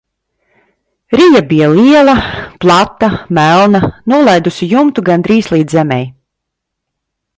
Rija bija liela, plata, melna, nolaidusi jumtu gandrīz līdz zemei.